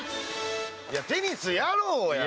いやテニスやろうや！